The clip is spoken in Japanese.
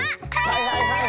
はいはいはい！